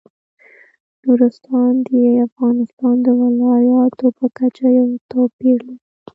نورستان د افغانستان د ولایاتو په کچه یو توپیر لري.